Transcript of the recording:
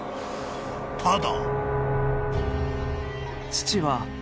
［ただ］